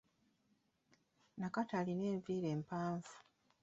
Nakato alina enviiri empanvu.